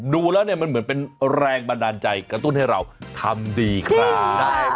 ดูแล้วเนี่ยมันเหมือนเป็นแรงบันดาลใจกระตุ้นให้เราทำดีครับ